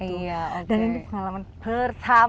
dan ini pengalaman pertama